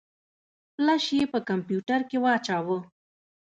فلش يې په کمپيوټر کې واچوه.